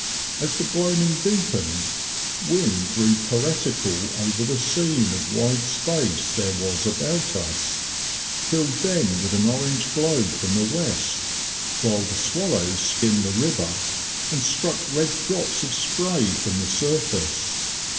As the gloaming deepened, Wynne grew poetical over the scene of wide space there was about us, filled then with an orange glow from the west, while the swallows skimmed the river, and struck red drops of spray from the surface.